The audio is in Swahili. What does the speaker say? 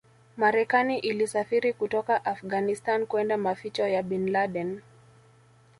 Marekani ilisafiri kutoka Afghanistan kwenda maficho ya Bin Laden